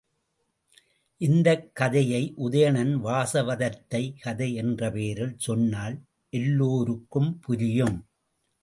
இந்தக் கதையை உதயணன் வாசவதத்தை கதை என்ற பெயரில் சொன்னால் எல்லோருக்கும் புரியும்.